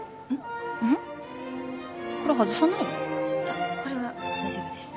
あっこれは大丈夫です。